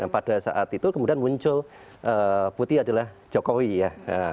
pada saat itu kemudian muncul putih adalah jokowi ya